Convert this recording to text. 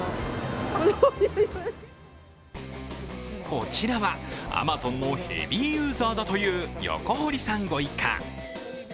こちらはアマゾンのヘビーユーザーだという横堀さんご一家。